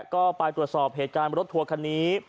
ก็ไปตรวจสอบเหตุการณ์รถทัวร์คันนี้